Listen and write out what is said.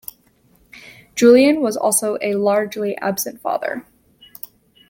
Julian was also a largely absent father.